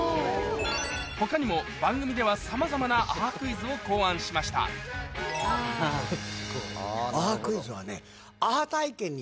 他にも番組ではさまざまなアハクイズを考案しましたアハクイズはね。